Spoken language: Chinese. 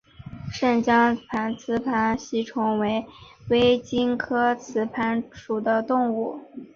湛江雌盘吸虫为微茎科雌盘属的动物。